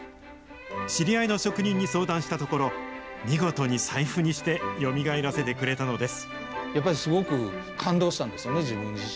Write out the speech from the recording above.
知り合いの職人に相談したところ、見事に財布にして、よみがえらせてくれたのです。